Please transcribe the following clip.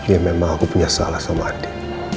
ya memang aku punya salah sama adik